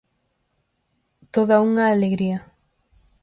Toda unha alegría.